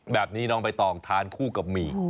แบบนี้น้องใบตองทานคู่กับหมี่